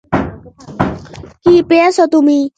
কী পেয়েছ তুমি?